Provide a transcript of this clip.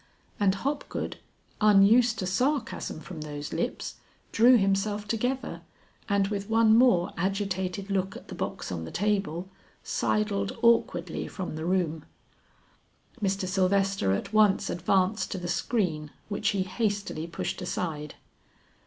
And Hopgood unused to sarcasm from those lips, drew himself together, and with one more agitated look at the box on the table, sidled awkwardly from the room. Mr. Sylvester at once advanced to the screen which he hastily pushed aside.